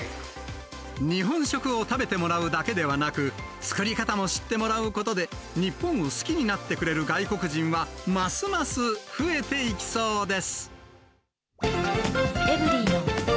日本食を食べてもらうだけではなく、作り方も知ってもらうことで、日本を好きになってくれる外国人はますます増えていきそうです。